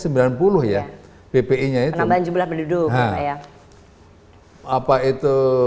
penambahan jumlah penduduk